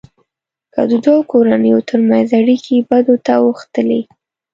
که د دوو کورنيو ترمنځ اړیکې بدو ته اوښتلې.